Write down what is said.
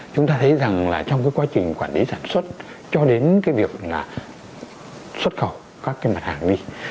chúng ta thấy rằng là trong cái quá trình quản lý sản xuất cho đến cái việc là xuất khẩu các cái mặt hàng đi